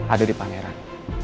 ada di pangeran